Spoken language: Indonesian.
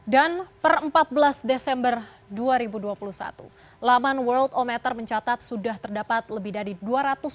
dan per empat belas desember dua ribu dua puluh satu laman worldometer mencatat sudah terdapat lebih dari dua ratus tujuh puluh satu juta kentang